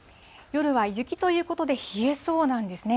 夜は雪ということで、冷えそうなんですね。